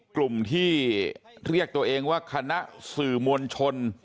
กลุ่มที่เรียกตัวเองว่าคณะสื่อมวลชน